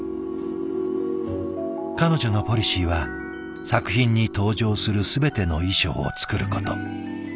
彼女のポリシーは作品に登場する全ての衣装を作ること。